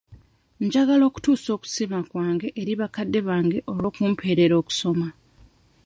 Njagala okutuusa okusiima kwange eri bakadde bange olw'okumpeerera okusoma.